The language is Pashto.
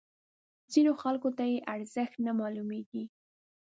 ځینو خلکو ته یې ارزښت نه معلومیږي.